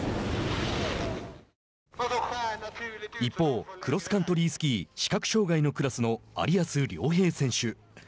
一方、クロスカントリースキー視覚障害のクラスの有安諒平選手。